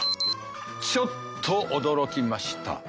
ちょっと驚きました。